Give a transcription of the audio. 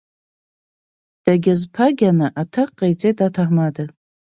Дагьазԥагьаны аҭак ҟаиҵеит аҭаҳмада.